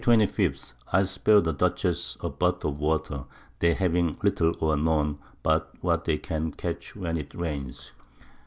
_ I spared the Dutchess a But of Water, they having little or none but what they catch when it rains.